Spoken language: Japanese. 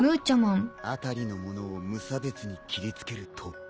辺りのものを無差別に切りつける突風。